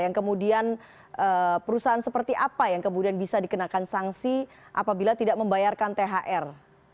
yang kemudian perusahaan seperti apa yang kemudian bisa dikenakan sanksi apabila tidak membayarkan thr